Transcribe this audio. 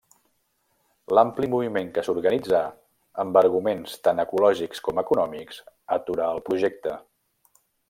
L'ampli moviment que s'organitzà, amb arguments tant ecològics com econòmics, aturà el projecte.